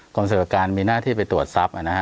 กรมสวัสดิการมีหน้าที่ไปตรวจทรัพย์อ่ะนะฮะ